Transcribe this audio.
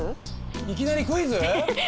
いきなりクイズ？